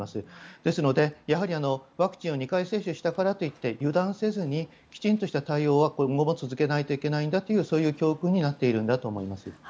ですので、やはりワクチンを２回接種したからといって油断せずにきちんとした対応は今後も続けないといけないというそういう教訓になっているんだと思います。